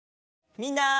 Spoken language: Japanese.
みんな。